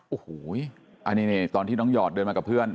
โอ้โหอันนี้ตอนที่น้องหยอดเดินมากับเพื่อน